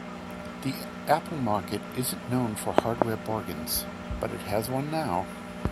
The Apple market isn't known for hardware bargains, but it has one now.